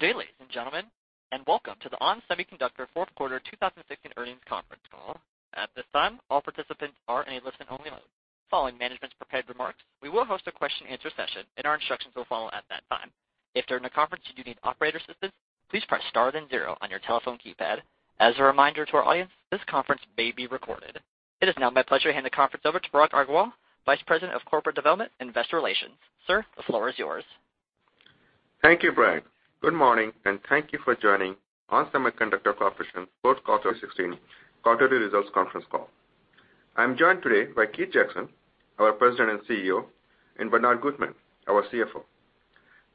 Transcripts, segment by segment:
Good day, ladies and gentlemen, and welcome to the ON Semiconductor fourth quarter 2016 earnings conference call. At this time, all participants are in a listen-only mode. Following management's prepared remarks, we will host a question and answer session, and our instructions will follow at that time. If during the conference you do need operator assistance, please press star then zero on your telephone keypad. As a reminder to our audience, this conference may be recorded. It is now my pleasure to hand the conference over to Parag Agarwal, vice president of corporate development investor relations. Sir, the floor is yours. Thank you, Brad. Good morning, and thank you for joining ON Semiconductor Corporation fourth quarter 2016 quarterly results conference call. I am joined today by Keith Jackson, our president and CEO, and Bernard Gutmann, our CFO.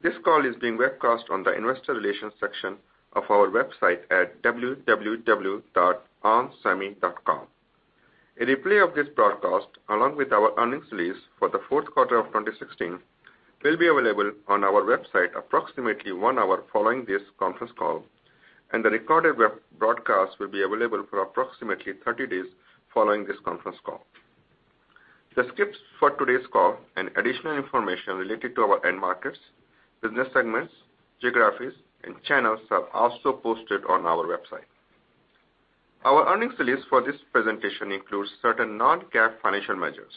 This call is being webcast on the investor relations section of our website at www.onsemi.com. A replay of this broadcast, along with our earnings release for the fourth quarter of 2016, will be available on our website approximately one hour following this conference call. The recorded web broadcast will be available for approximately 30 days following this conference call. The scripts for today’s call and additional information related to our end markets, business segments, geographies, and channels are also posted on our website. Our earnings release for this presentation includes certain non-GAAP financial measures.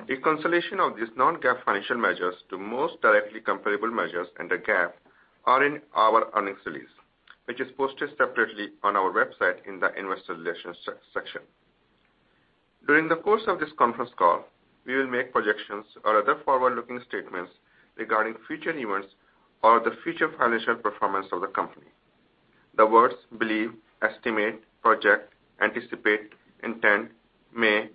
A reconciliation of these non-GAAP financial measures to most directly comparable measures under GAAP are in our earnings release, which is posted separately on our website in the investor relations section. During the course of this conference call, we will make projections or other forward-looking statements regarding future events or the future financial performance of the company. The words believe, estimate, project, anticipate, intend, may,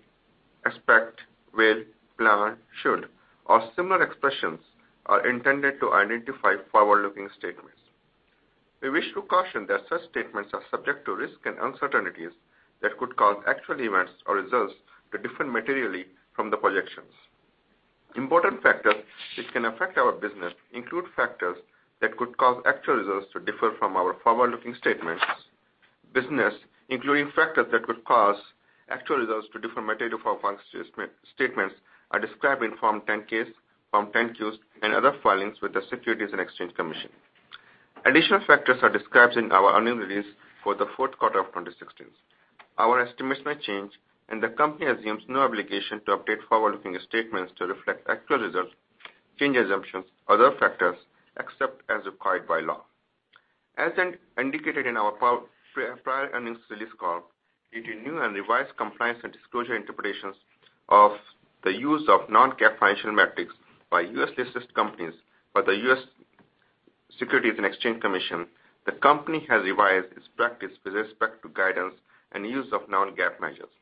expect, will, plan, should, or similar expressions are intended to identify forward-looking statements. We wish to caution that such statements are subject to risks and uncertainties that could cause actual events or results to differ materially from the projections. Important factors which can affect our business include factors that could cause actual results to differ from our forward-looking statements. Business, including factors that could cause actual results to differ materially from forward-looking statements are described in Form 10-K, Form 10-Q, and other filings with the Securities and Exchange Commission. Additional factors are described in our earnings release for the fourth quarter of 2016. Our estimates may change. The company assumes no obligation to update forward-looking statements to reflect actual results, change assumptions, or other factors, except as required by law. As indicated in our prior earnings release call, due to new and revised compliance and disclosure interpretations of the use of non-GAAP financial metrics by U.S.-listed companies by the U.S. Securities and Exchange Commission, the company has revised its practice with respect to guidance and use of non-GAAP measures.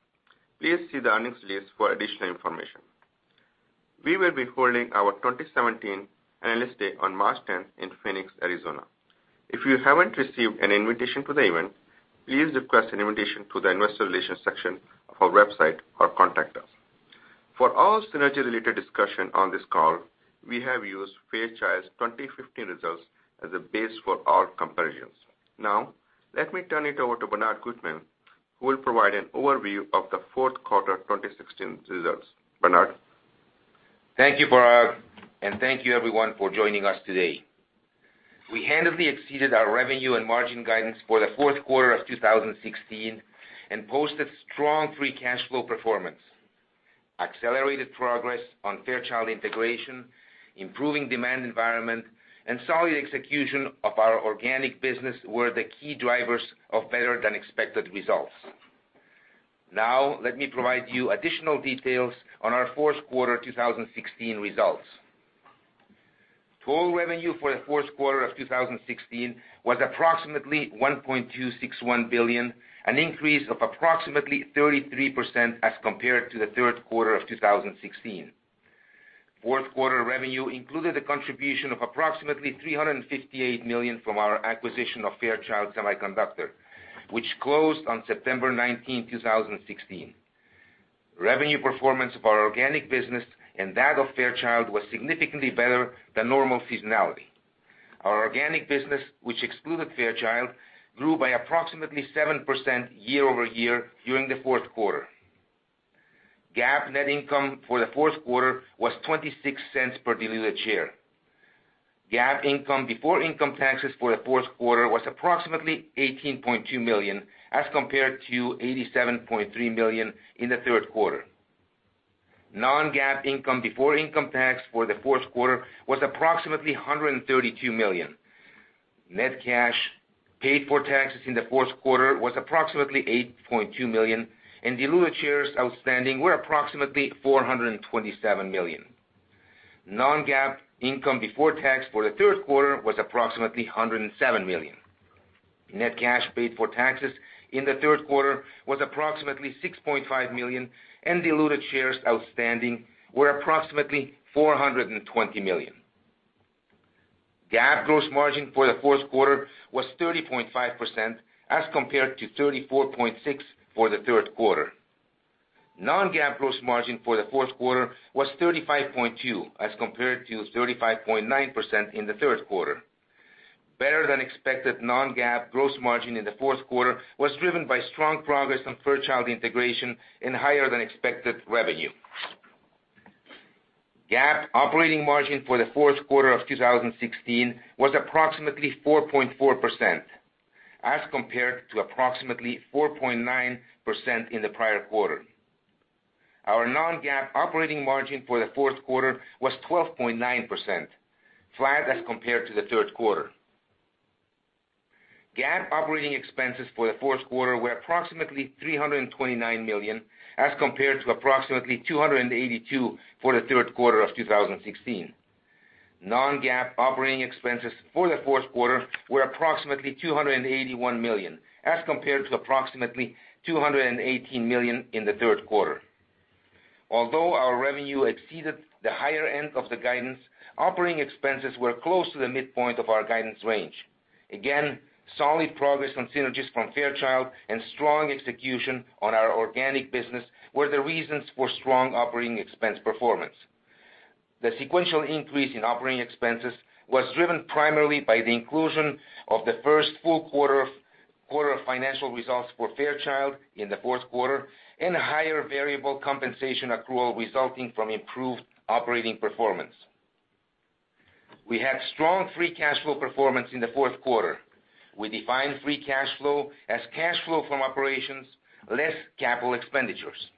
Please see the earnings release for additional information. We will be holding our 2017 Analyst Day on March 10th in Phoenix, Arizona. If you haven't received an invitation to the event, please request an invitation through the investor relations section of our website or contact us. For all synergy-related discussion on this call, we have used Fairchild's 2015 results as a base for all comparisons. Now, let me turn it over to Bernard Gutmann, who will provide an overview of the fourth quarter 2016 results. Bernard? Thank you, Parag, thank you everyone for joining us today. We handily exceeded our revenue and margin guidance for the fourth quarter of 2016 and posted strong free cash flow performance. Accelerated progress on Fairchild integration, improving demand environment, and solid execution of our organic business were the key drivers of better than expected results. Let me provide you additional details on our fourth quarter 2016 results. Total revenue for the fourth quarter of 2016 was approximately $1.261 billion, an increase of approximately 33% as compared to the third quarter of 2016. Fourth quarter revenue included a contribution of approximately $358 million from our acquisition of Fairchild Semiconductor, which closed on September 19th, 2016. Revenue performance of our organic business and that of Fairchild was significantly better than normal seasonality. Our organic business, which excluded Fairchild, grew by approximately 7% year-over-year during the fourth quarter. GAAP net income for the fourth quarter was $0.26 per diluted share. GAAP income before income taxes for the fourth quarter was approximately $18.2 million, as compared to $87.3 million in the third quarter. Non-GAAP income before income tax for the fourth quarter was approximately $132 million. Net cash paid for taxes in the fourth quarter was approximately $8.2 million, and diluted shares outstanding were approximately 427 million. Non-GAAP income before tax for the third quarter was approximately $107 million. Net cash paid for taxes in the third quarter was approximately $6.5 million, and diluted shares outstanding were approximately 420 million. GAAP gross margin for the fourth quarter was 30.5% as compared to 34.6% for the third quarter. Non-GAAP gross margin for the fourth quarter was 35.2% as compared to 35.9% in the third quarter. Better than expected non-GAAP gross margin in the fourth quarter was driven by strong progress on Fairchild integration and higher than expected revenue. GAAP operating margin for the fourth quarter of 2016 was approximately 4.4%, as compared to approximately 4.9% in the prior quarter. Our non-GAAP operating margin for the fourth quarter was 12.9%, flat as compared to the third quarter. GAAP operating expenses for the fourth quarter were approximately $329 million, as compared to approximately $282 million for the third quarter of 2016. Non-GAAP operating expenses for the fourth quarter were approximately $281 million, as compared to approximately $218 million in the third quarter. Although our revenue exceeded the higher end of the guidance, operating expenses were close to the midpoint of our guidance range. Again, solid progress on synergies from Fairchild and strong execution on our organic business were the reasons for strong operating expense performance. The sequential increase in operating expenses was driven primarily by the inclusion of the first full quarter of financial results for Fairchild in the fourth quarter and a higher variable compensation accrual resulting from improved operating performance. We had strong free cash flow performance in the fourth quarter. We define free cash flow as cash flow from operations less capital expenditures.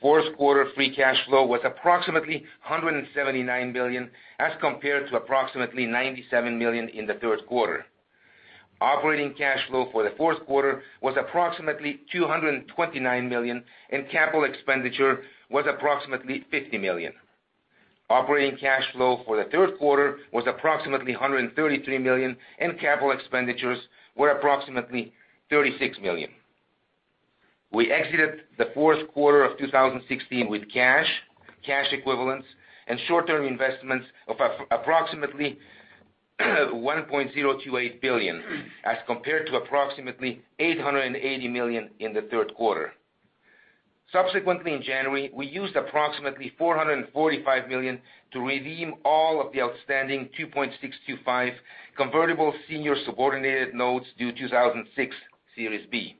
Fourth quarter free cash flow was approximately $179 million, as compared to approximately $97 million in the third quarter. Operating cash flow for the fourth quarter was approximately $229 million, and capital expenditure was approximately $50 million. Operating cash flow for the third quarter was approximately $133 million, and capital expenditures were approximately $36 million. We exited the fourth quarter of 2016 with cash equivalents, and short-term investments of approximately $1.028 billion as compared to approximately $880 million in the third quarter. Subsequently, in January, we used approximately $445 million to redeem all of the outstanding 2.625% Convertible Senior Subordinated Notes due 2026, Series B.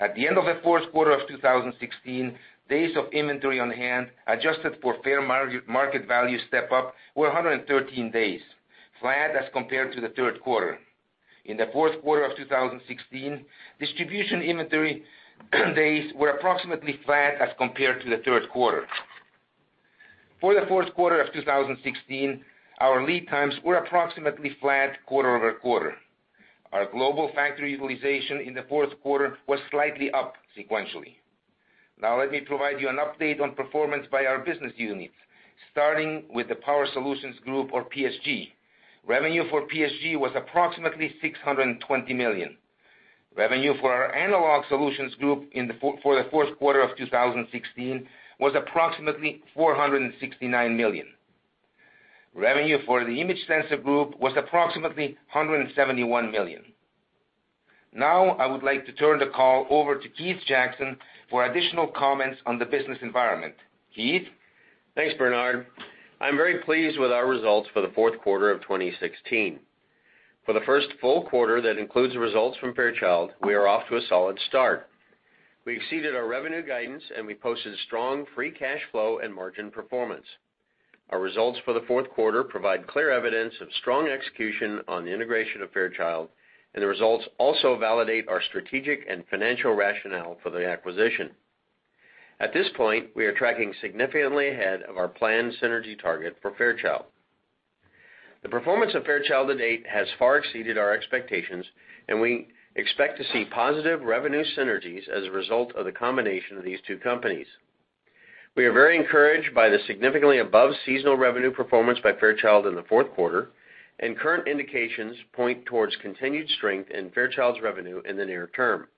At the end of the fourth quarter of 2016, days of inventory on hand, adjusted for fair market value step-up, were 113 days, flat as compared to the third quarter. In the fourth quarter of 2016, distribution inventory days were approximately flat as compared to the third quarter. For the fourth quarter of 2016, our lead times were approximately flat quarter-over-quarter. Our global factory utilization in the fourth quarter was slightly up sequentially. Let me provide you an update on performance by our business units, starting with the Power Solutions Group, or PSG. Revenue for PSG was approximately $620 million. Revenue for our Analog Solutions Group for the fourth quarter of 2016 was approximately $469 million. Revenue for the Image Sensor Group was approximately $171 million. I would like to turn the call over to Keith Jackson for additional comments on the business environment. Keith? Thanks, Bernard. I'm very pleased with our results for the fourth quarter of 2016. For the first full quarter that includes results from Fairchild, we are off to a solid start. We exceeded our revenue guidance. We posted strong free cash flow and margin performance. Our results for the fourth quarter provide clear evidence of strong execution on the integration of Fairchild. The results also validate our strategic and financial rationale for the acquisition. At this point, we are tracking significantly ahead of our planned synergy target for Fairchild. The performance of Fairchild to date has far exceeded our expectations. We expect to see positive revenue synergies as a result of the combination of these two companies. We are very encouraged by the significantly above seasonal revenue performance by Fairchild in the fourth quarter, current indications point towards continued strength in Fairchild's revenue in the near term.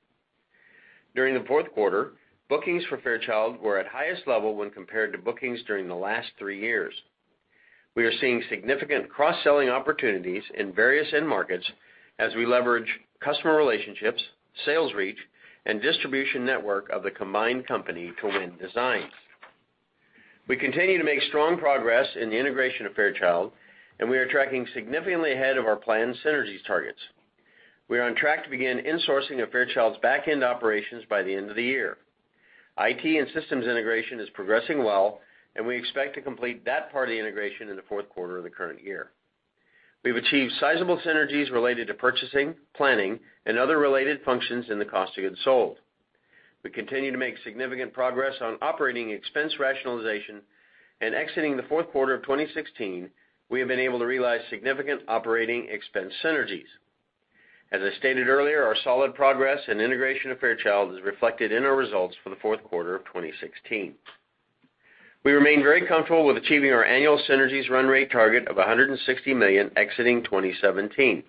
During the fourth quarter, bookings for Fairchild were at highest level when compared to bookings during the last three years. We are seeing significant cross-selling opportunities in various end markets as we leverage customer relationships, sales reach, and distribution network of the combined company to win designs. We continue to make strong progress in the integration of Fairchild, we are tracking significantly ahead of our planned synergies targets. We are on track to begin insourcing of Fairchild's back-end operations by the end of the year. IT and systems integration is progressing well, we expect to complete that part of the integration in the fourth quarter of the current year. We've achieved sizable synergies related to purchasing, planning, and other related functions in the cost of goods sold. We continue to make significant progress on operating expense rationalization, exiting the fourth quarter of 2016, we have been able to realize significant operating expense synergies. As I stated earlier, our solid progress in integration of Fairchild is reflected in our results for the fourth quarter of 2016. We remain very comfortable with achieving our annual synergies run rate target of $160 million exiting 2017.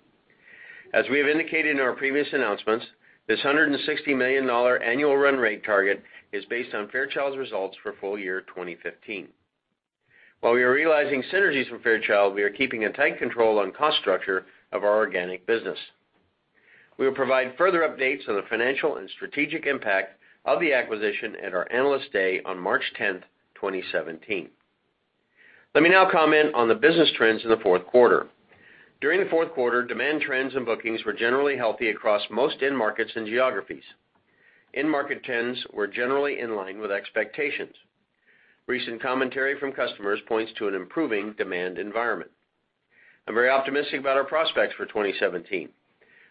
As we have indicated in our previous announcements, this $160 million annual run rate target is based on Fairchild's results for full year 2015. While we are realizing synergies from Fairchild, we are keeping a tight control on cost structure of our organic business. We will provide further updates on the financial and strategic impact of the acquisition at our Analyst Day on March 10th, 2017. Let me now comment on the business trends in the fourth quarter. During the fourth quarter, demand trends and bookings were generally healthy across most end markets and geographies. End market trends were generally in line with expectations. Recent commentary from customers points to an improving demand environment. I'm very optimistic about our prospects for 2017.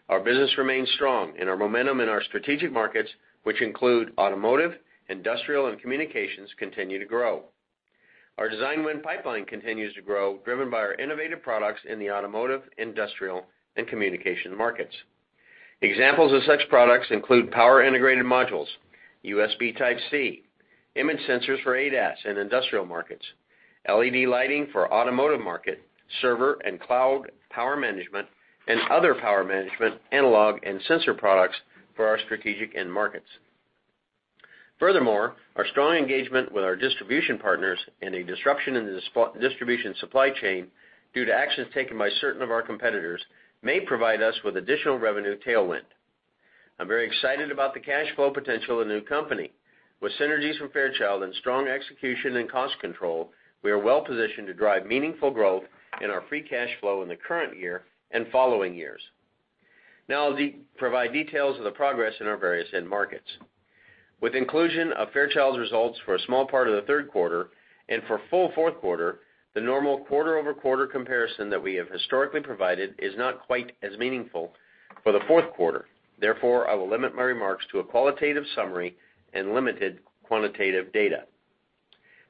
Our business remains strong, our momentum in our strategic markets, which include automotive, industrial, and communications, continue to grow. Our design win pipeline continues to grow, driven by our innovative products in the automotive, industrial, and communication markets. Examples of such products include Power Integrated Modules, USB Type-C, image sensors for ADAS and industrial markets, LED lighting for automotive market, server and cloud power management, and other power management analog and sensor products for our strategic end markets. Furthermore, our strong engagement with our distribution partners and a disruption in the distribution supply chain due to actions taken by certain of our competitors may provide us with additional revenue tailwind. I'm very excited about the cash flow potential of the new company. With synergies from Fairchild and strong execution in cost control, we are well-positioned to drive meaningful growth in our free cash flow in the current year and following years. Now I'll provide details of the progress in our various end markets. With inclusion of Fairchild's results for a small part of the third quarter and for full fourth quarter, the normal quarter-over-quarter comparison that we have historically provided is not quite as meaningful for the fourth quarter. Therefore, I will limit my remarks to a qualitative summary and limited quantitative data.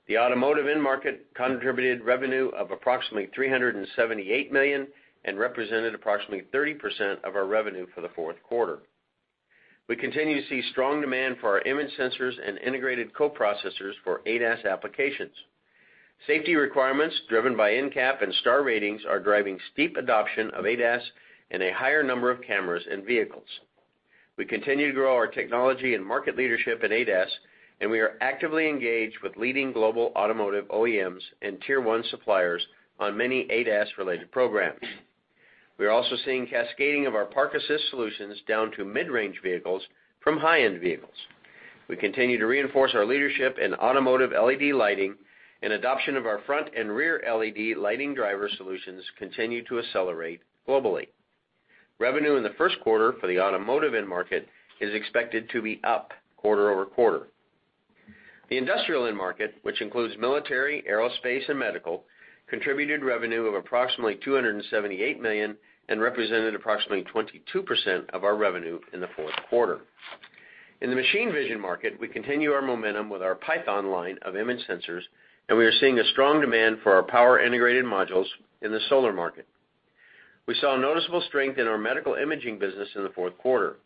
The automotive end market contributed revenue of approximately $378 million and represented approximately 30% of our revenue for the fourth quarter. We continue to see strong demand for our image sensors and integrated co-processors for ADAS applications. Safety requirements driven by NCAP and star ratings are driving steep adoption of ADAS and a higher number of cameras in vehicles. We continue to grow our technology and market leadership in ADAS, and we are actively engaged with leading global automotive OEMs and tier one suppliers on many ADAS related programs. We are also seeing cascading of our park assist solutions down to mid-range vehicles from high-end vehicles. We continue to reinforce our leadership in automotive LED lighting, and adoption of our front and rear LED lighting driver solutions continue to accelerate globally. Revenue in the first quarter for the automotive end market is expected to be up quarter-over-quarter. The industrial end market, which includes military, aerospace, and medical, contributed revenue of approximately $278 million and represented approximately 22% of our revenue in the fourth quarter. In the machine vision market, we continue our momentum with our PYTHON line of image sensors, and we are seeing a strong demand for our Power Integrated Modules in the solar market. We saw noticeable strength in our medical imaging business in the fourth quarter.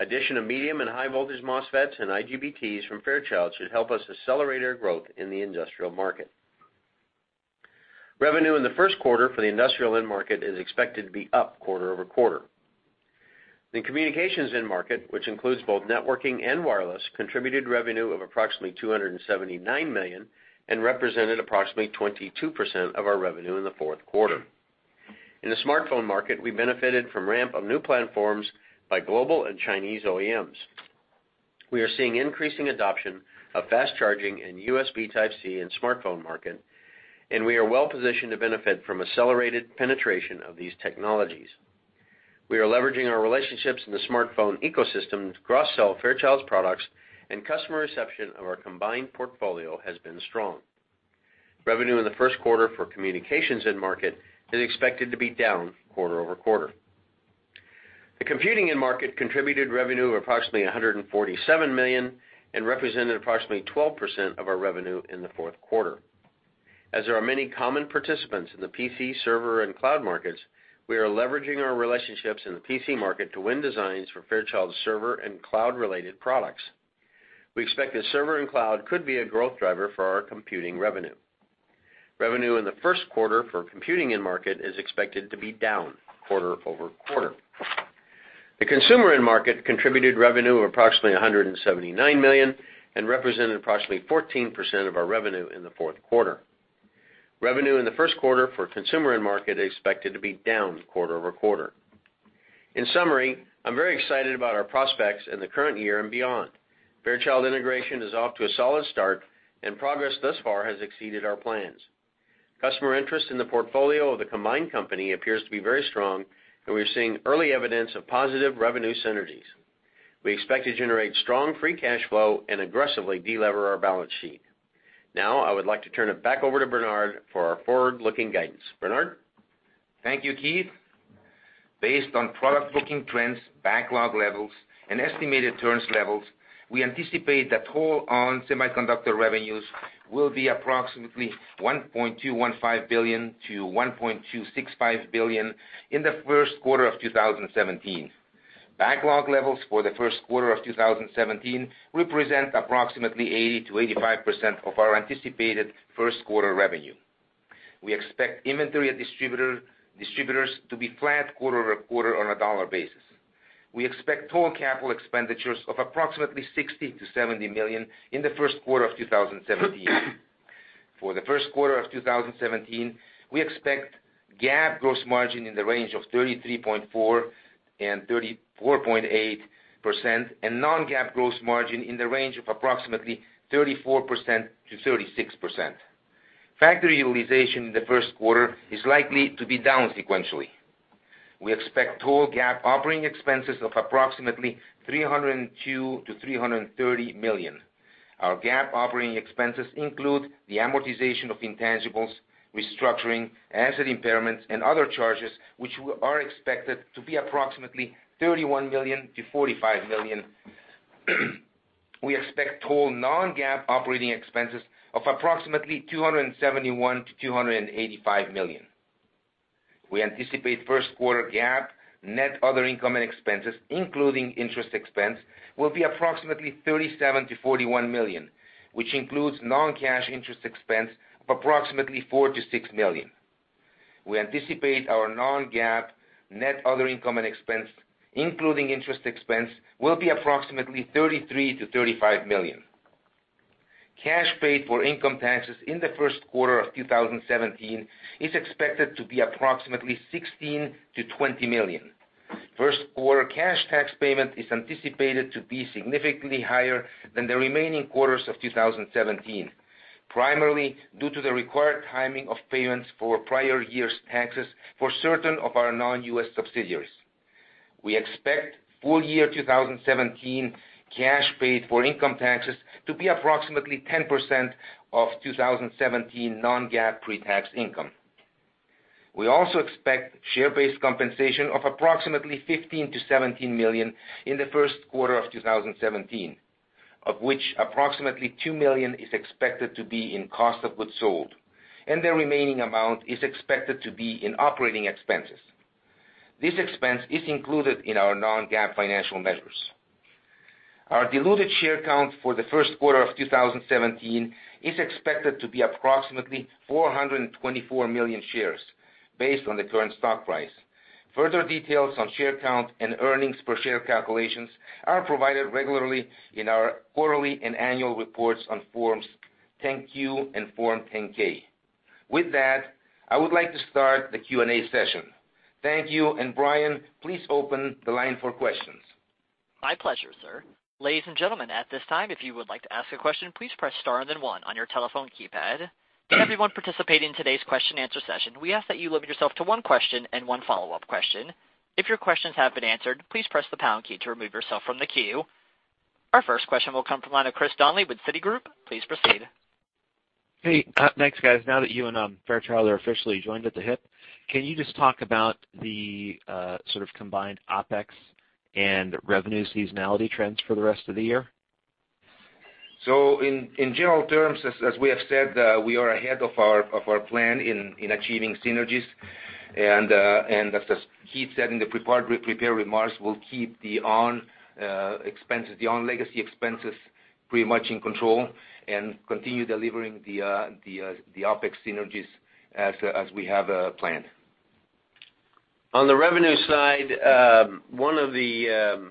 Addition of medium and high voltage MOSFETs and IGBTs from Fairchild should help us accelerate our growth in the industrial market. Revenue in the first quarter for the industrial end market is expected to be up quarter-over-quarter. The communications end market, which includes both networking and wireless, contributed revenue of approximately $279 million and represented approximately 22% of our revenue in the fourth quarter. In the smartphone market, we benefited from ramp of new platforms by global and Chinese OEMs. We are seeing increasing adoption of fast charging in USB Type-C and smartphone market, and we are well positioned to benefit from accelerated penetration of these technologies. We are leveraging our relationships in the smartphone ecosystem to cross-sell Fairchild's products, and customer reception of our combined portfolio has been strong. Revenue in the first quarter for communications end market is expected to be down quarter-over-quarter. The computing end market contributed revenue of approximately $147 million and represented approximately 12% of our revenue in the fourth quarter. As there are many common participants in the PC server and cloud markets, we are leveraging our relationships in the PC market to win designs for Fairchild's server and cloud related products. We expect that server and cloud could be a growth driver for our computing revenue. Revenue in the first quarter for computing end market is expected to be down quarter-over-quarter. The consumer end market contributed revenue of approximately $179 million and represented approximately 14% of our revenue in the fourth quarter. Revenue in the first quarter for consumer end market is expected to be down quarter-over-quarter. In summary, I'm very excited about our prospects in the current year and beyond. Fairchild integration is off to a solid start, and progress thus far has exceeded our plans. Customer interest in the portfolio of the combined company appears to be very strong, and we are seeing early evidence of positive revenue synergies. We expect to generate strong free cash flow and aggressively de-lever our balance sheet. Now, I would like to turn it back over to Bernard for our forward-looking guidance. Bernard? Thank you, Keith. Based on product booking trends, backlog levels, and estimated turns levels, we anticipate that total ON Semiconductor revenues will be approximately $1.215 billion-$1.265 billion in the first quarter of 2017. Backlog levels for the first quarter of 2017 represent approximately 80%-85% of our anticipated first quarter revenue. We expect inventory at distributors to be flat quarter-over-quarter on a dollar basis. We expect total capital expenditures of approximately $60 million-$70 million in the first quarter of 2017. For the first quarter of 2017, we expect GAAP gross margin in the range of 33.4%-34.8%, and non-GAAP gross margin in the range of approximately 34%-36%. Factory utilization in the first quarter is likely to be down sequentially. We expect total GAAP operating expenses of approximately $302 million-$330 million. Our GAAP operating expenses include the amortization of intangibles, restructuring, asset impairments, and other charges, which are expected to be approximately $31 million-$45 million. We expect total non-GAAP operating expenses of approximately $271 million-$285 million. We anticipate first quarter GAAP net other income and expenses, including interest expense, will be approximately $37 million-$41 million, which includes non-cash interest expense of approximately $4 million-$6 million. We anticipate our non-GAAP net other income and expense, including interest expense, will be approximately $33 million-$35 million. Cash paid for income taxes in the first quarter of 2017 is expected to be approximately $16 million-$20 million. First quarter cash tax payment is anticipated to be significantly higher than the remaining quarters of 2017, primarily due to the required timing of payments for prior years' taxes for certain of our non-U.S. subsidiaries. We expect full year 2017 cash paid for income taxes to be approximately 10% of 2017 non-GAAP pretax income. We also expect share-based compensation of approximately $15 million-$17 million in the first quarter of 2017, of which approximately two million is expected to be in cost of goods sold, and the remaining amount is expected to be in operating expenses. This expense is included in our non-GAAP financial measures. Our diluted share count for the first quarter of 2017 is expected to be approximately 424 million shares based on the current stock price. Further details on share count and earnings per share calculations are provided regularly in our quarterly and annual reports on Forms 10-Q and Form 10-K. With that, I would like to start the Q&A session. Thank you, Brad, please open the line for questions. My pleasure, sir. Ladies and gentlemen, at this time, if you would like to ask a question, please press star and then one on your telephone keypad. To everyone participating in today's question and answer session, we ask that you limit yourself to one question and one follow-up question. If your questions have been answered, please press the pound key to remove yourself from the queue. Our first question will come from the line of Christopher Danely with Citigroup. Please proceed. Hey. Thanks, guys. Now that you and Fairchild are officially joined at the hip, can you just talk about the sort of combined OpEx and revenue seasonality trends for the rest of the year? In general terms, as we have said, we are ahead of our plan in achieving synergies and, as Keith said in the prepared remarks, we'll keep the ON legacy expenses pretty much in control and continue delivering the OpEx synergies as we have planned. On the revenue side, one of the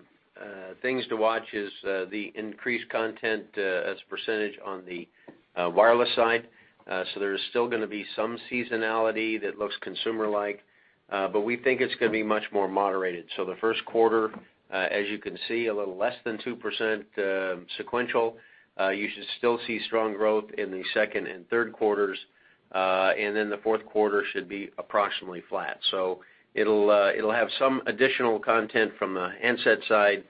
things to watch is the increased content as a percentage on the wireless side. There is still going to be some seasonality that looks consumer-like, but we think it's going to be much more moderated. The first quarter, as you can see, a little less than 2% sequential. You should still see strong growth in the second and third quarters, and then the fourth quarter should be approximately flat. It'll have some additional content from a handset side,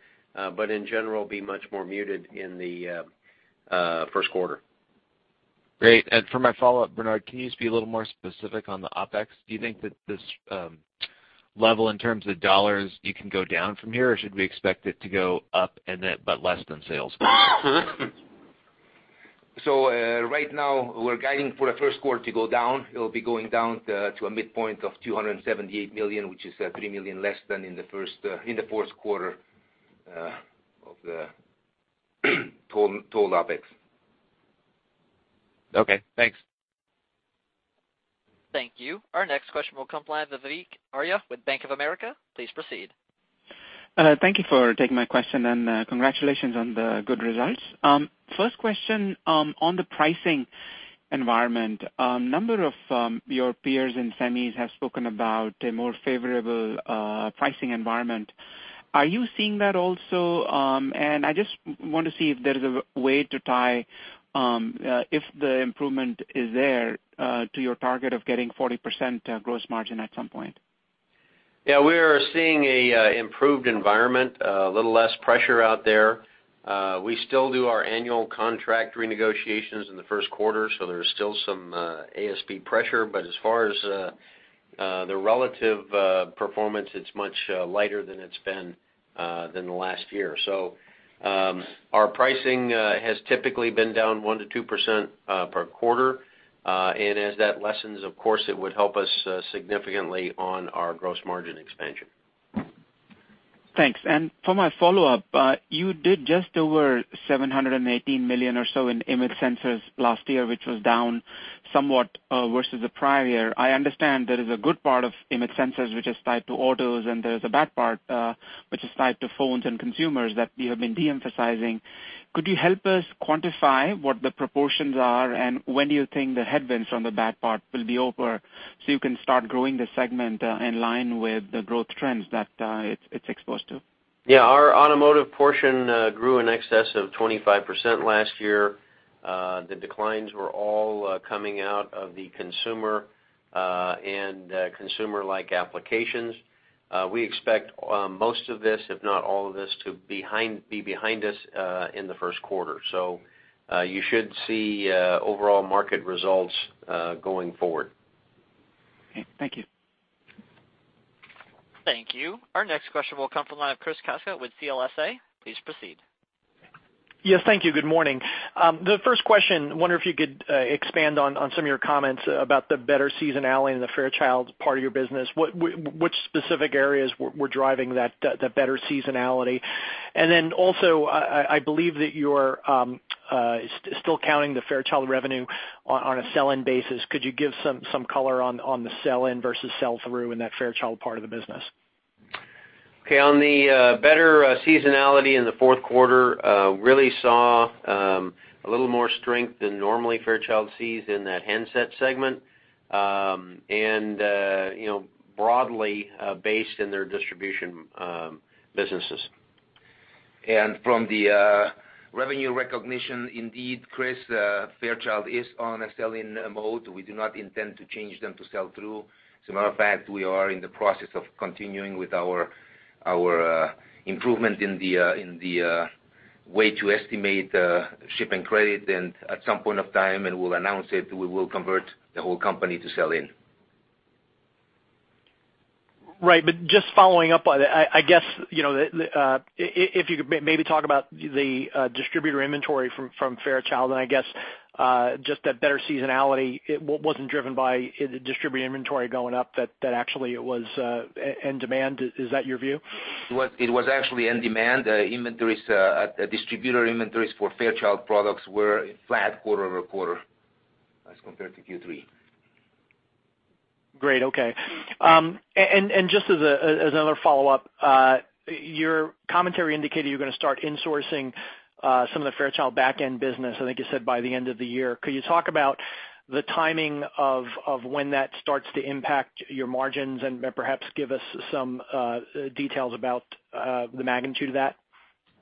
but in general, be much more muted in the first quarter. Great. For my follow-up, Bernard, can you just be a little more specific on the OpEx? Do you think that this level in terms of dollars, you can go down from here, or should we expect it to go up but less than sales? Right now, we're guiding for the first quarter to go down. It'll be going down to a midpoint of $278 million, which is $3 million less than in the fourth quarter of the total OpEx. Okay, thanks. Thank you. Our next question will come from the line of Vivek Arya with Bank of America. Please proceed. Thank you for taking my question, congratulations on the good results. First question on the pricing environment. A number of your peers in semis have spoken about a more favorable pricing environment. Are you seeing that also? I just want to see if there is a way to tie if the improvement is there to your target of getting 40% gross margin at some point. Yeah, we are seeing an improved environment, a little less pressure out there. We still do our annual contract renegotiations in the first quarter, there is still some ASP pressure. As far as the relative performance, it's much lighter than it's been than the last year. Our pricing has typically been down 1%-2% per quarter. As that lessens, of course, it would help us significantly on our gross margin expansion. Thanks. For my follow-up, you did just over $718 million or so in image sensors last year, which was down somewhat versus the prior year. I understand there is a good part of image sensors which is tied to autos, and there is a bad part which is tied to phones and consumers that you have been de-emphasizing. Could you help us quantify what the proportions are, and when do you think the headwinds on the bad part will be over so you can start growing the segment in line with the growth trends that it's exposed to? Yeah. Our automotive portion grew in excess of 25% last year. The declines were all coming out of the consumer and consumer-like applications. We expect most of this, if not all of this, to be behind us in the first quarter. You should see overall market results going forward. Okay. Thank you. Thank you. Our next question will come from the line of Chris Caso with CLSA. Please proceed. Yes, thank you. Good morning. The first question, wonder if you could expand on some of your comments about the better seasonality in the Fairchild part of your business. Which specific areas were driving that better seasonality? Then also, I believe that you're still counting the Fairchild revenue on a sell-in basis. Could you give some color on the sell-in versus sell-through in that Fairchild part of the business? Okay. On the better seasonality in the fourth quarter, really saw a little more strength than normally Fairchild Semiconductor sees in that handset segment, and broadly based in their distribution businesses. From the revenue recognition, indeed, Chris, Fairchild Semiconductor is on a sell-in mode. We do not intend to change them to sell-through. As a matter of fact, we are in the process of continuing with our improvement in the way to estimate shipping credit, and at some point in time, and we'll announce it, we will convert the whole company to sell-in. Right. Just following up on it, I guess, if you could maybe talk about the distributor inventory from Fairchild Semiconductor and I guess just that better seasonality, it wasn't driven by distributor inventory going up, that actually it was end-to-end demand. Is that your view? It was actually end demand. Distributor inventories for Fairchild Semiconductor products were flat quarter-over-quarter as compared to Q3. Great. Okay. Just as another follow-up, your commentary indicated you're going to start insourcing some of the Fairchild back-end business, I think you said by the end of the year. Could you talk about the timing of when that starts to impact your margins, and perhaps give us some details about the magnitude of that?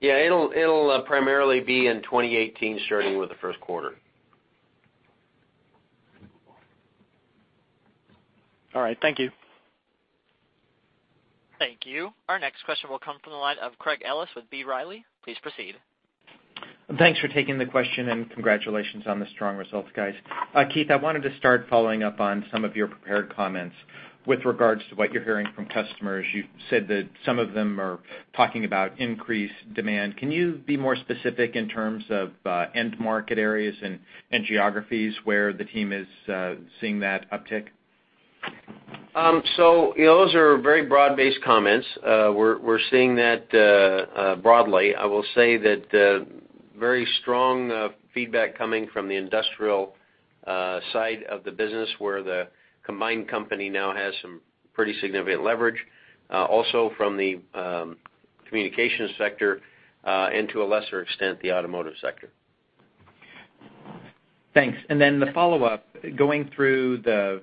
Yeah. It'll primarily be in 2018, starting with the first quarter. All right. Thank you. Thank you. Our next question will come from the line of Craig with B. Riley. Please proceed. Thanks for taking the question, and congratulations on the strong results, guys. Keith, I wanted to start following up on some of your prepared comments with regards to what you're hearing from customers. You said that some of them are talking about increased demand. Can you be more specific in terms of end market areas and geographies where the team is seeing that uptick? Those are very broad-based comments. We're seeing that broadly. I will say that very strong feedback coming from the industrial side of the business where the combined company now has some pretty significant leverage. Also from the communication sector, and to a lesser extent, the automotive sector. Thanks. The follow-up, going through the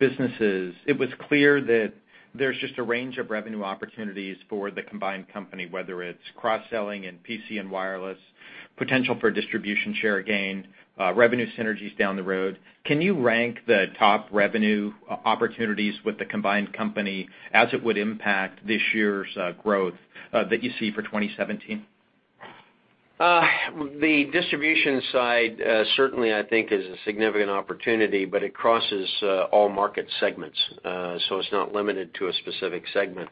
businesses, it was clear that there's just a range of revenue opportunities for the combined company, whether it's cross-selling in PC and wireless, potential for distribution share gain, revenue synergies down the road. Can you rank the top revenue opportunities with the combined company as it would impact this year's growth that you see for 2017? The distribution side certainly I think is a significant opportunity, but it crosses all market segments, so it's not limited to a specific segment.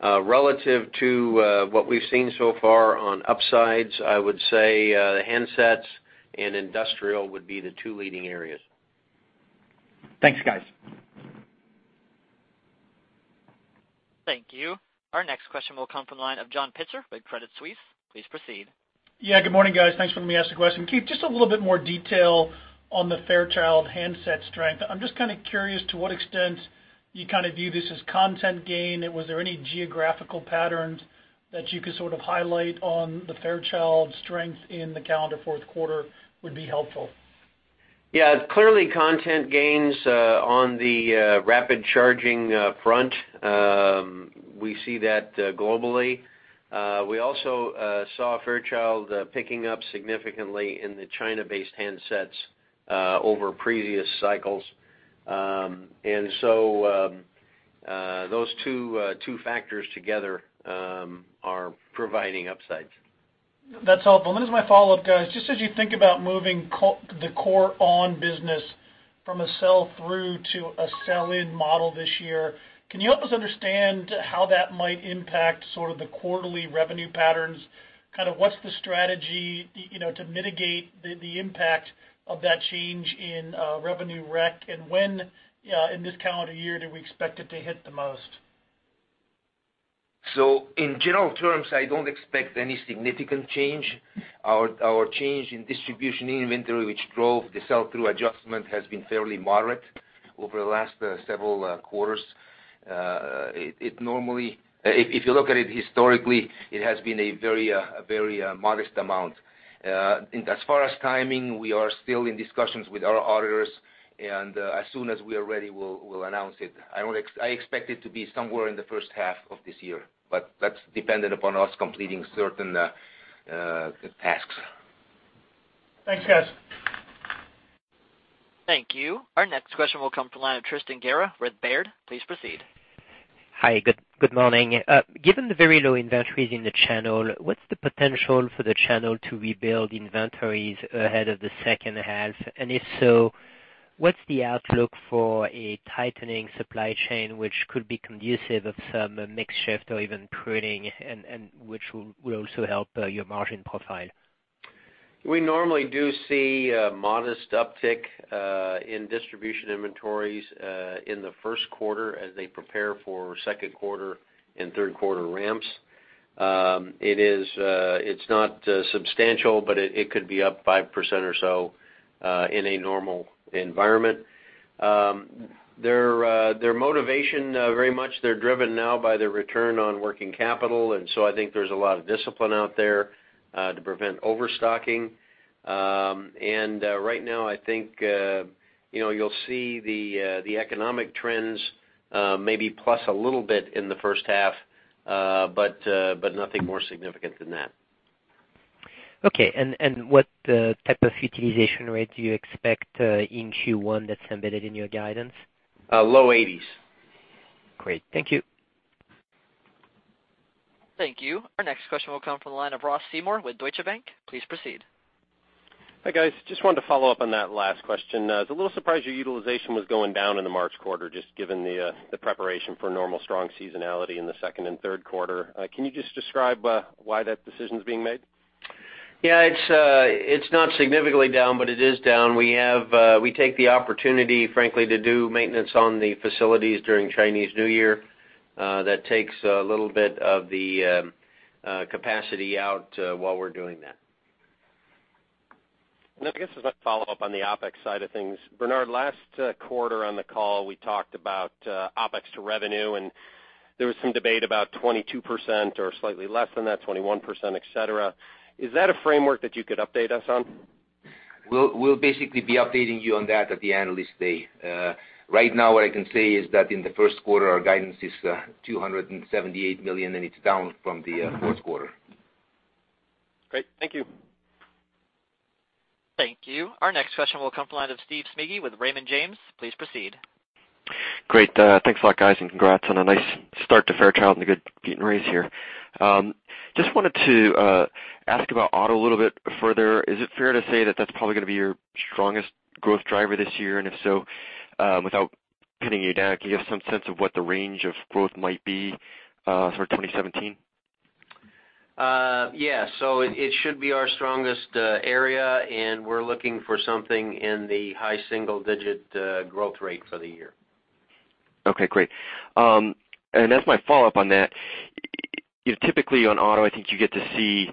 Relative to what we've seen so far on upsides, I would say handsets and industrial would be the two leading areas. Thanks, guys. Thank you. Our next question will come from the line of John Pitzer with Credit Suisse. Please proceed. Good morning, guys. Thanks for letting me ask the question. Keith, just a little bit more detail on the Fairchild handset strength. I'm just kind of curious to what extent you kind of view this as content gain. Was there any geographical patterns that you could sort of highlight on the Fairchild strength in the calendar fourth quarter would be helpful. Clearly content gains on the rapid charging front. We see that globally. We also saw Fairchild picking up significantly in the China-based handsets over previous cycles. Those two factors together are providing upsides. That's helpful. This is my follow-up, guys. Just as you think about moving the core ON business from a sell-through to a sell-in model this year, can you help us understand how that might impact sort of the quarterly revenue patterns? Kind of what's the strategy to mitigate the impact of that change in revenue rec, and when in this calendar year do we expect it to hit the most? In general terms, I don't expect any significant change. Our change in distribution inventory, which drove the sell-through adjustment, has been fairly moderate over the last several quarters. If you look at it historically, it has been a very modest amount. As far as timing, we are still in discussions with our auditors, and as soon as we are ready, we'll announce it. I expect it to be somewhere in the first half of this year, but that's dependent upon us completing certain tasks. Thanks, guys. Thank you. Our next question will come from the line of Tristan Gerra with Baird. Please proceed. Hi, good morning. Given the very low inventories in the channel, what's the potential for the channel to rebuild inventories ahead of the second half? If so, what's the outlook for a tightening supply chain which could be conducive of some mix shift or even pruning, and which will also help your margin profile? We normally do see a modest uptick in distribution inventories in the first quarter as they prepare for second quarter and third quarter ramps. It's not substantial, but it could be up 5% or so in a normal environment. Their motivation, very much, they're driven now by their return on working capital, and so I think there's a lot of discipline out there to prevent overstocking. Right now, I think you'll see the economic trends maybe plus a little bit in the first half, but nothing more significant than that. Okay, what type of utilization rate do you expect in Q1 that's embedded in your guidance? Low 80s. Great. Thank you. Thank you. Our next question will come from the line of Ross Seymore with Deutsche Bank. Please proceed. Hi, guys. Just wanted to follow up on that last question. I was a little surprised your utilization was going down in the March quarter, just given the preparation for normal strong seasonality in the second and third quarter. Can you just describe why that decision's being made? Yeah, it's not significantly down, but it is down. We take the opportunity, frankly, to do maintenance on the facilities during Chinese New Year. That takes a little bit of the capacity out while we're doing that. I guess as a follow-up on the OpEx side of things, Bernard, last quarter on the call, we talked about OpEx to revenue, and there was some debate about 22% or slightly less than that, 21%, et cetera. Is that a framework that you could update us on? We'll basically be updating you on that at the Analyst Day. Right now, what I can say is that in the first quarter, our guidance is $278 million, and it's down from the fourth quarter. Great. Thank you. Thank you. Our next question will come from the line of Steve Smigie with Raymond James. Please proceed. Great. Thanks a lot, guys, and congrats on a nice start to Fairchild and the good beat and raise here. Just wanted to ask about auto a little bit further. Is it fair to say that that's probably going to be your strongest growth driver this year? If so, without pinning you down, can you give some sense of what the range of growth might be for 2017? Yeah. It should be our strongest area, and we're looking for something in the high single-digit growth rate for the year. Okay, great. As my follow-up on that, typically on auto, I think you get to see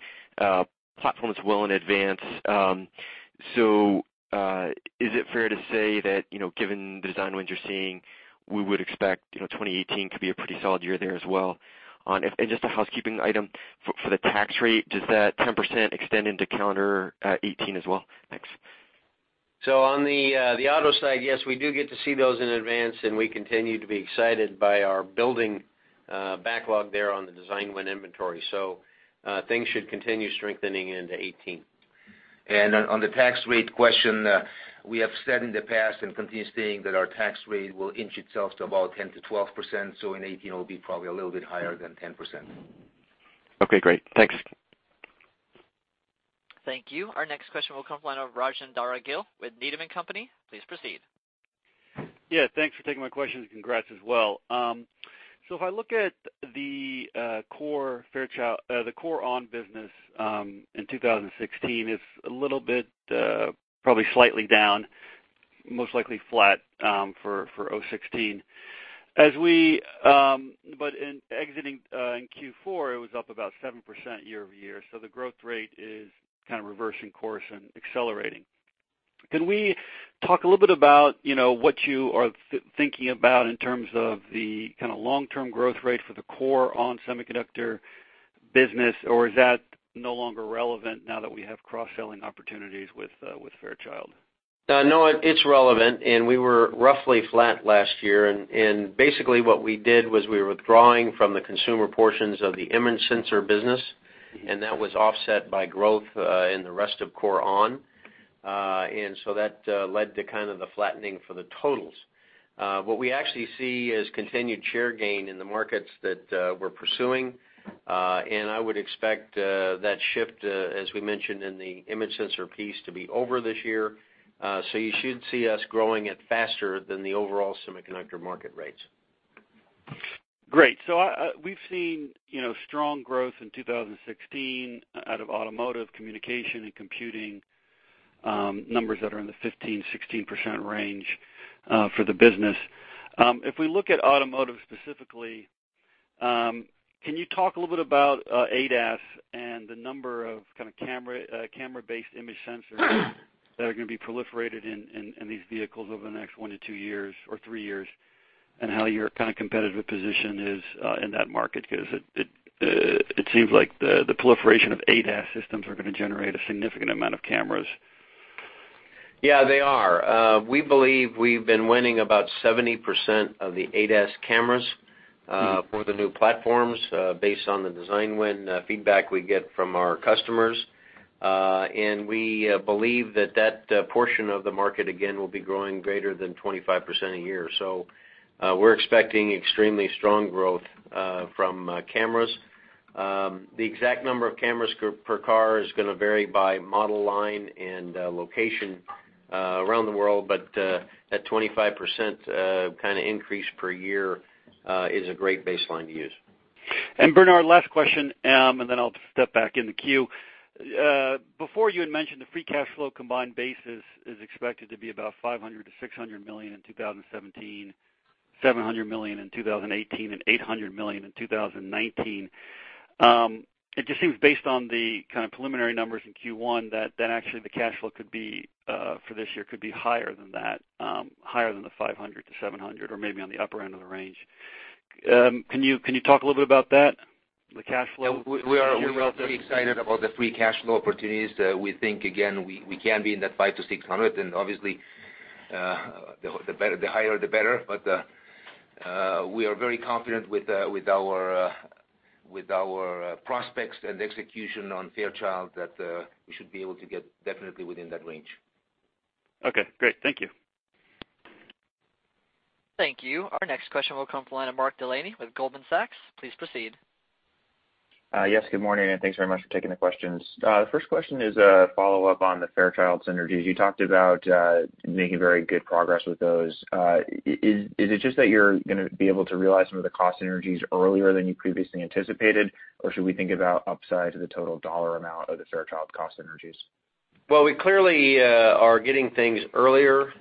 platforms well in advance. Is it fair to say that, given the design wins you're seeing, we would expect 2018 to be a pretty solid year there as well? Just a housekeeping item, for the tax rate, does that 10% extend into calendar 2018 as well? Thanks. On the auto side, yes, we do get to see those in advance, and we continue to be excited by our building backlog there on the design win inventory. Things should continue strengthening into 2018. On the tax rate question, we have said in the past and continue saying that our tax rate will inch itself to about 10%-12%, in 2018, it will be probably a little bit higher than 10%. Okay, great. Thanks. Thank you. Our next question will come from the line of Rajvindra Gill with Needham & Company. Please proceed. Yeah, thanks for taking my questions, and congrats as well. If I look at the core ON business in 2016, it's a little bit probably slightly down, most likely flat for 2016. But exiting in Q4, it was up about 7% year-over-year, the growth rate is kind of reversing course and accelerating. Can we talk a little bit about what you are thinking about in terms of the kind of long-term growth rate for the core ON Semiconductor business? Or is that no longer relevant now that we have cross-selling opportunities with Fairchild? No, it's relevant. We were roughly flat last year. Basically what we did was we were withdrawing from the consumer portions of the image sensor business, and that was offset by growth in the rest of core ON. That led to kind of the flattening for the totals. What we actually see is continued share gain in the markets that we're pursuing. I would expect that shift, as we mentioned in the image sensor piece, to be over this year. You should see us growing it faster than the overall semiconductor market rates. Great. We've seen strong growth in 2016 out of automotive, communication, and computing numbers that are in the 15%-16% range for the business. If we look at automotive specifically, can you talk a little bit about ADAS and the number of camera-based image sensors that are going to be proliferated in these vehicles over the next one to two years, or three years, and how your competitive position is in that market? It seems like the proliferation of ADAS systems are going to generate a significant amount of cameras. Yeah, they are. We believe we've been winning about 70% of the ADAS cameras for the new platforms based on the design win feedback we get from our customers. We believe that portion of the market, again, will be growing greater than 25% a year. We're expecting extremely strong growth from cameras. The exact number of cameras per car is going to vary by model line and location around the world. That 25% increase per year is a great baseline to use. Bernard, last question, and then I'll step back in the queue. Before you had mentioned the free cash flow combined basis is expected to be about $500 million-$600 million in 2017, $700 million in 2018, and $800 million in 2019. It just seems based on the preliminary numbers in Q1 that actually the cash flow for this year could be higher than that, higher than the $500 million to $700 million, or maybe on the upper end of the range. Can you talk a little bit about that, the cash flow? Yeah, we are very excited about the free cash flow opportunities. We think, again, we can be in that $500 million-$600 million, and obviously, the higher the better. We are very confident with our prospects and execution on Fairchild Semiconductor that we should be able to get definitely within that range. Okay, great. Thank you. Thank you. Our next question will come from the line of Mark Delaney with Goldman Sachs. Please proceed. Yes, good morning, and thanks very much for taking the questions. The first question is a follow-up on the Fairchild Semiconductor synergies. You talked about making very good progress with those. Is it just that you're going to be able to realize some of the cost synergies earlier than you previously anticipated, or should we think about upside to the total dollar amount of the Fairchild Semiconductor cost synergies? Well, we clearly are getting things earlier.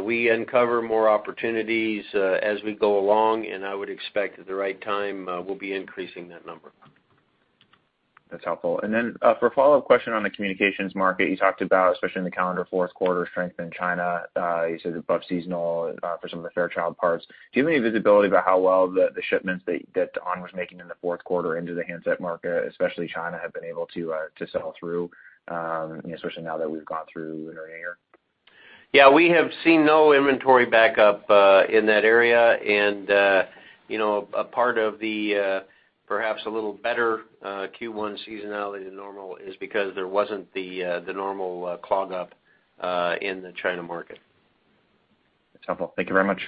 We uncover more opportunities as we go along, I would expect at the right time, we'll be increasing that number. That's helpful. Then for a follow-up question on the communications market you talked about, especially in the calendar fourth quarter strength in China, you said above seasonal for some of the Fairchild parts. Do you have any visibility about how well the shipments that ON was making in the fourth quarter into the handset market, especially China, have been able to settle through, especially now that we've gone through the new year? Yeah, we have seen no inventory backup in that area, a part of the perhaps a little better Q1 seasonality than normal is because there wasn't the normal clog up in the China market. That's helpful. Thank you very much.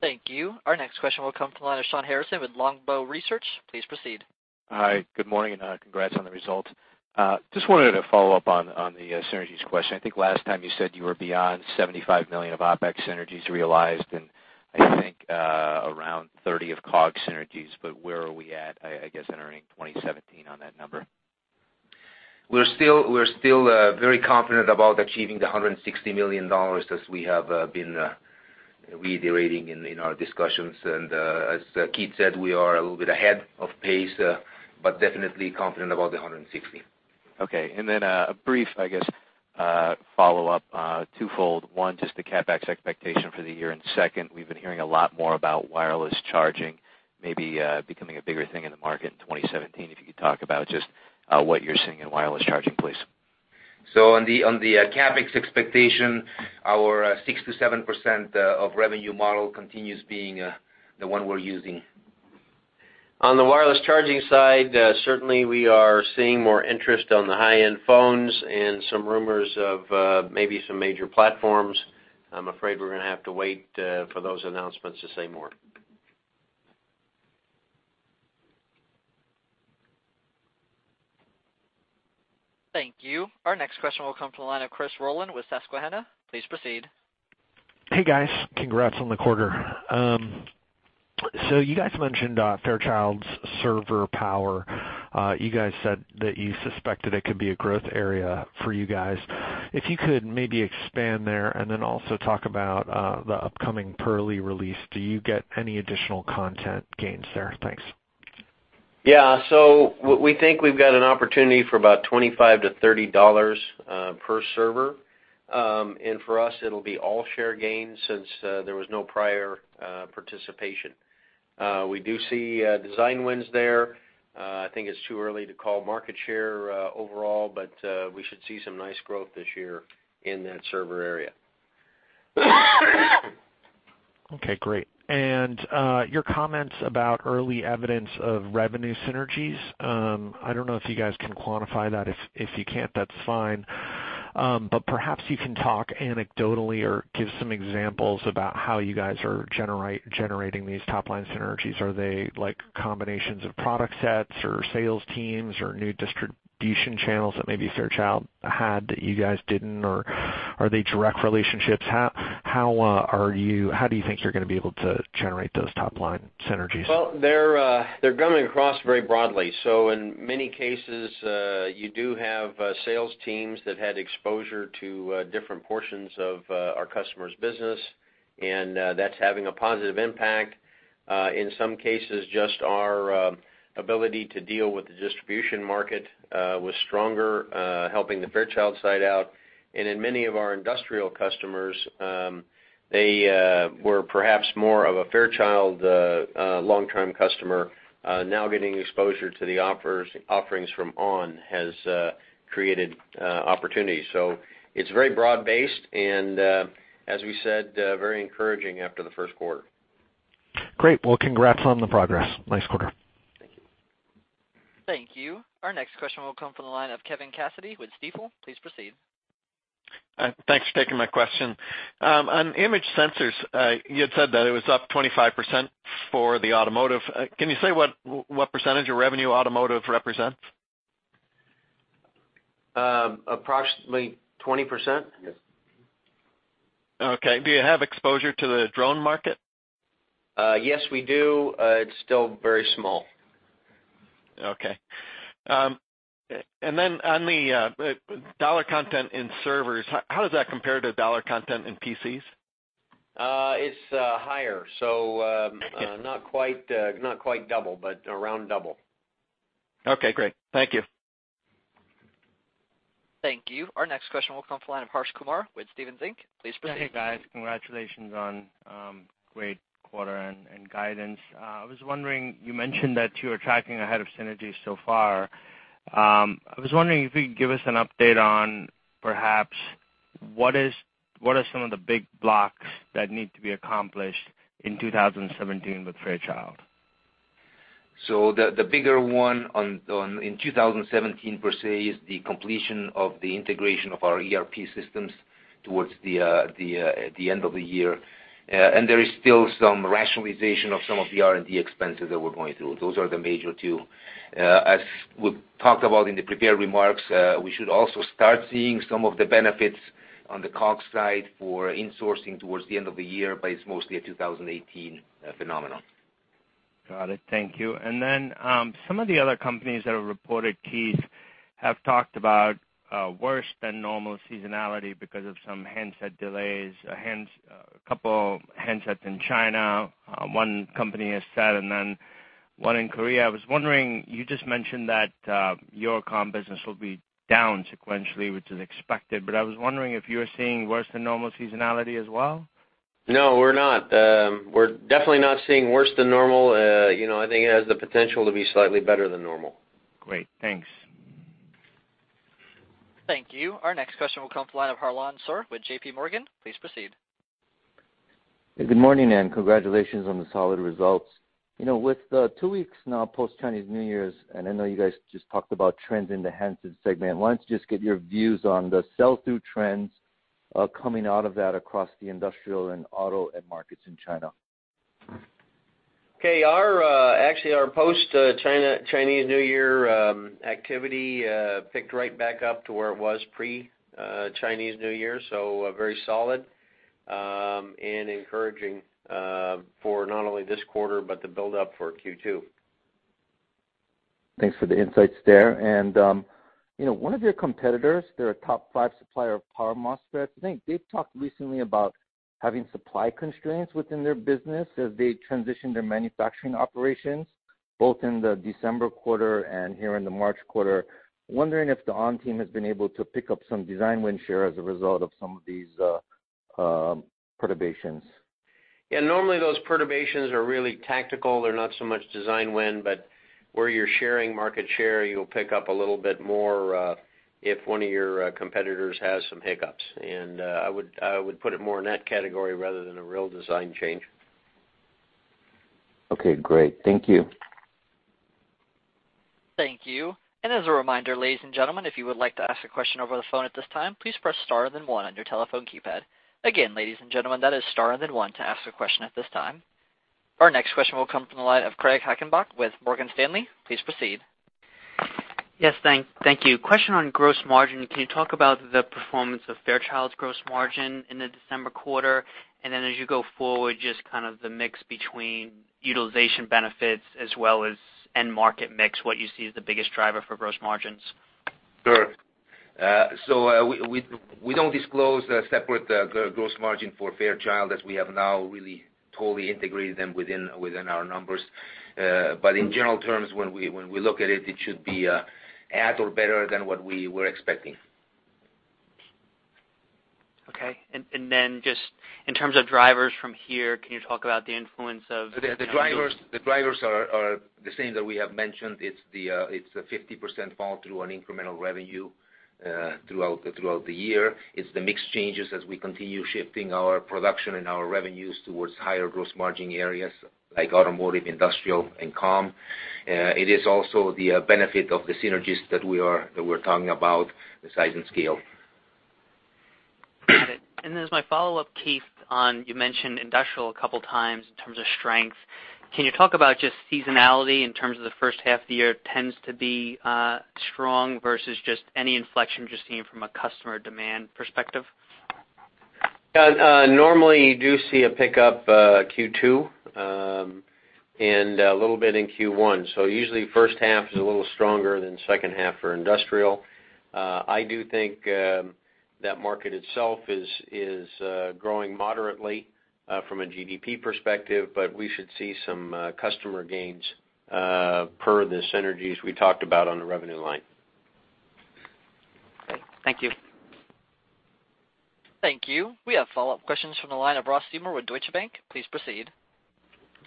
Thank you. Our next question will come from the line of Shawn Harrison with Longbow Research. Please proceed. Hi, good morning, congrats on the results. Just wanted to follow up on the synergies question. I think last time you said you were beyond $75 million of OpEx synergies realized, and I think around $30 million of COGS synergies. Where are we at, I guess, entering 2017 on that number? We're still very confident about achieving the $160 million as we have been reiterating in our discussions. As Keith said, we are a little bit ahead of pace, definitely confident about the $160 million. Okay, a brief, I guess, follow-up, twofold. One, just the CapEx expectation for the year. Second, we've been hearing a lot more about wireless charging maybe becoming a bigger thing in the market in 2017. If you could talk about just what you're seeing in wireless charging, please. On the CapEx expectation, our 6%-7% of revenue model continues being the one we're using. On the wireless charging side, certainly we are seeing more interest on the high-end phones and some rumors of maybe some major platforms. I'm afraid we're going to have to wait for those announcements to say more. Thank you. Our next question will come from the line of Christopher Rolland with Susquehanna. Please proceed. Hey, guys. Congrats on the quarter. You guys mentioned Fairchild's server power. You guys said that you suspected it could be a growth area for you guys. If you could maybe expand there and then also talk about the upcoming Purley release. Do you get any additional content gains there? Thanks. Yeah. We think we've got an opportunity for about $25 to $30 per server. For us, it'll be all share gains since there was no prior participation. We do see design wins there. I think it's too early to call market share overall, but we should see some nice growth this year in that server area. Okay, great. Your comments about early evidence of revenue synergies, I don't know if you guys can quantify that. If you can't, that's fine. Perhaps you can talk anecdotally or give some examples about how you guys are generating these top-line synergies. Are they combinations of product sets or sales teams or new distribution channels that maybe Fairchild Semiconductor had that you guys didn't, or are they direct relationships? How do you think you're going to be able to generate those top-line synergies? They're coming across very broadly. In many cases, you do have sales teams that had exposure to different portions of our customers' business. That's having a positive impact. In some cases, just our ability to deal with the distribution market was stronger, helping the Fairchild Semiconductor side out. In many of our industrial customers, they were perhaps more of a Fairchild Semiconductor long-term customer. Now getting exposure to the offerings from ON Semiconductor has created opportunities. It's very broad-based and, as we said, very encouraging after the first quarter. Great. Congrats on the progress. Nice quarter. Thank you. Thank you. Our next question will come from the line of Kevin Cassidy with Stifel. Please proceed. Thanks for taking my question. On image sensors, you had said that it was up 25% for the automotive. Can you say what percentage of revenue automotive represents? Approximately 20%. Okay. Do you have exposure to the drone market? Yes, we do. It's still very small. Okay. On the $ content in servers, how does that compare to $ content in PCs? It's higher. Not quite double, but around double. Okay, great. Thank you. Thank you. Our next question will come from the line of Harsh Kumar with Stephens Inc.. Please proceed. Hey, guys. Congratulations on a great quarter and guidance. I was wondering, you mentioned that you are tracking ahead of synergy so far. I was wondering if you could give us an update on perhaps what are some of the big blocks that need to be accomplished in 2017 with Fairchild? The bigger one in 2017 per se is the completion of the integration of our ERP systems towards the end of the year. There is still some rationalization of some of the R&D expenses that we're going through. Those are the major two. As we talked about in the prepared remarks, we should also start seeing some of the benefits on the COGS side for insourcing towards the end of the year, but it's mostly a 2018 phenomenon. Got it. Thank you. Some of the other companies that have reported, Keith, have talked about worse than normal seasonality because of some handset delays, a couple handsets in China, one company has said, and then one in Korea. I was wondering, you just mentioned that your comm business will be down sequentially, which is expected, but I was wondering if you're seeing worse than normal seasonality as well. No, we're not. We're definitely not seeing worse than normal. I think it has the potential to be slightly better than normal. Great. Thanks. Thank you. Our next question will come from the line of Harlan Sur with JP Morgan. Please proceed. Good morning, and congratulations on the solid results. With the 2 weeks now post Chinese New Year, I know you guys just talked about trends in the handset segment, why don't you just give your views on the sell-through trends coming out of that across the industrial and auto end markets in China? Okay. Actually, our post-Chinese New Year activity picked right back up to where it was pre-Chinese New Year, very solid and encouraging for not only this quarter but the build-up for Q2. Thanks for the insights there. One of your competitors, they're a top five supplier of power MOSFETs. I think they've talked recently about having supply constraints within their business as they transition their manufacturing operations, both in the December quarter and here in the March quarter. Wondering if the ON team has been able to pick up some design win share as a result of some of these perturbations. Yeah, normally those perturbations are really tactical. They're not so much design win, but where you're sharing market share, you'll pick up a little bit more if one of your competitors has some hiccups. I would put it more in that category rather than a real design change. Okay, great. Thank you. Thank you. As a reminder, ladies and gentlemen, if you would like to ask a question over the phone at this time, please press star and then one on your telephone keypad. Again, ladies and gentlemen, that is star and then one to ask a question at this time. Our next question will come from the line of Craig Hettenbach with Morgan Stanley. Please proceed. Yes, thank you. Question on gross margin. Can you talk about the performance of Fairchild's gross margin in the December quarter? Then as you go forward, just kind of the mix between utilization benefits as well as end market mix, what you see as the biggest driver for gross margins? Sure. We don't disclose a separate gross margin for Fairchild as we have now really totally integrated them within our numbers. In general terms, when we look at it should be at or better than what we were expecting. Okay. Just in terms of drivers from here, can you talk about the influence of- The drivers are the same that we have mentioned. It's the 50% fall through on incremental revenue throughout the year. It's the mix changes as we continue shifting our production and our revenues towards higher gross margin areas like automotive, industrial, and comm. It is also the benefit of the synergies that we're talking about, the size and scale. Got it. As my follow-up, Keith, you mentioned industrial a couple times in terms of strength. Can you talk about just seasonality in terms of the first half of the year tends to be strong versus just any inflection just seeing from a customer demand perspective? Yeah. Normally, you do see a pickup Q2. A little bit in Q1. Usually first half is a little stronger than second half for industrial. I do think that market itself is growing moderately from a GDP perspective, but we should see some customer gains per the synergies we talked about on the revenue line. Okay, thank you. Thank you. We have follow-up questions from the line of Ross Seymore with Deutsche Bank. Please proceed.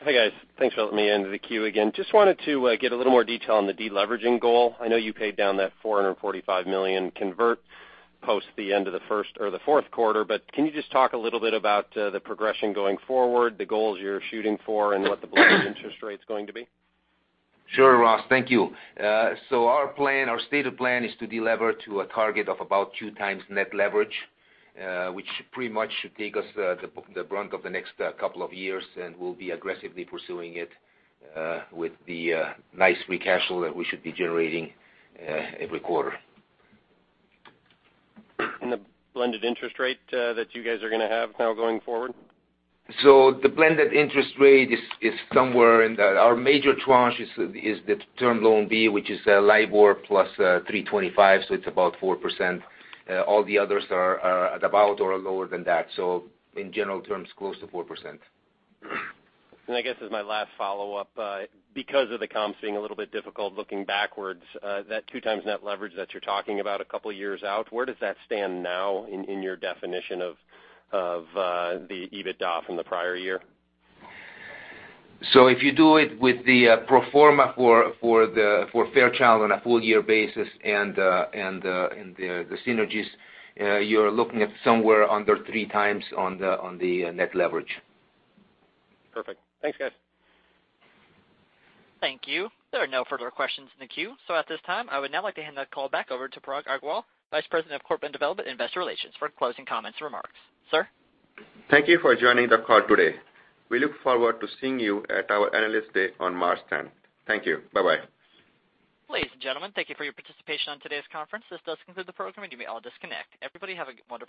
Hi guys. Thanks for letting me into the queue again. Just wanted to get a little more detail on the de-leveraging goal. I know you paid down that $445 million convert post the end of the first or the fourth quarter, can you just talk a little bit about the progression going forward, the goals you're shooting for, and what the blended interest rate's going to be? Sure, Ross. Thank you. Our stated plan is to de-lever to a target of about 2 times net leverage, which pretty much should take us the bulk of the next couple of years, we'll be aggressively pursuing it with the nice free cash flow that we should be generating every quarter. the blended interest rate that you guys are going to have now going forward? the blended interest rate is somewhere. Our major tranche is the Term Loan B, which is LIBOR plus three twenty-five, so it's about 4%. All the others are at about or lower than that. In general terms, close to 4%. I guess as my last follow-up, because of the comps being a little bit difficult looking backwards, that two times net leverage that you're talking about a couple years out, where does that stand now in your definition of the EBITDA from the prior year? If you do it with the pro forma for Fairchild on a full year basis and the synergies, you're looking at somewhere under three times on the net leverage. Perfect. Thanks, guys. Thank you. There are no further questions in the queue. At this time, I would now like to hand the call back over to Parag Agarwal, Vice President of Corporate Development and Investor Relations, for closing comments and remarks. Sir? Thank you for joining the call today. We look forward to seeing you at our Analyst Day on March 10th. Thank you. Bye-bye. Ladies and gentlemen, thank you for your participation on today's conference. This does conclude the program. You may all disconnect. Everybody have a wonderful day.